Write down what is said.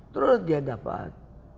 terus dia dapat